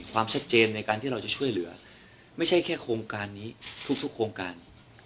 ความชัดเจนในการที่เราจะช่วยเหลือไม่ใช่แค่โครงการนี้ทุกโครงการ